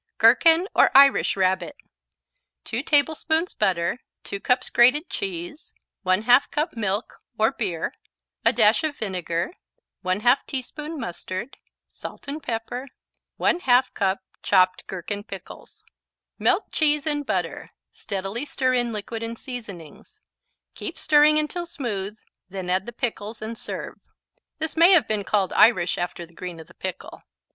Gherkin or Irish Rabbit 2 tablespoons butter 2 cups grated cheese 1/2 cup milk (or beer) A dash of vinegar 1/2 teaspoon mustard Salt and pepper 1/2 cup chopped gherkin pickles Melt cheese in butter, steadily stir in liquid and seasonings. Keep stirring until smooth, then add the pickles and serve. This may have been called Irish after the green of the pickle.